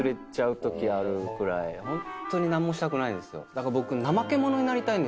だから僕。